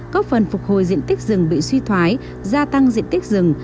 có phần phục hồi diện tích rừng bị suy thoái gia tăng diện tích rừng